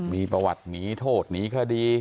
มีประวัติมีโทษมีคดี